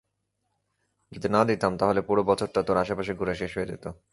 যদি না দিতাম তাহলে পুরো বছরটা তোর আশেপাশে ঘুরে শেষ হয়ে যেত।